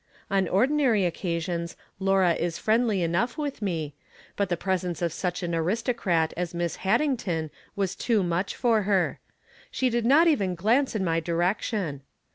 On ordi nary occasions Laura is friendly enough with me, but th6 presence of such an aristocrat as Miss Haddington was too much for her. She did not even glance in my direction.